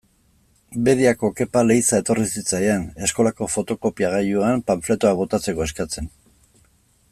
Bediako Kepa Leiza etorri zitzaidan, eskolako fotokopiagailuan panfletoak botatzeko eskatzen.